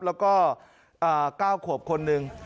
แล้วก็๙ขวบคนหนึ่ง